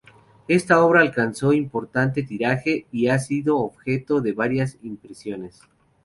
Esta obra alcanzó importante tiraje, y ha sido objeto de varias reimpresiones.